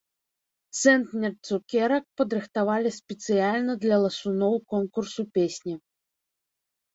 Цэнтнер цукерак падрыхтавалі спецыяльна для ласуноў конкурсу песні.